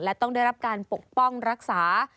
และต้องได้รับการปกป้องรักษา